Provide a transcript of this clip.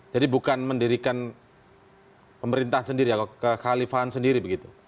jadi bukan mendirikan pemerintah sendiri kekhalifahan sendiri begitu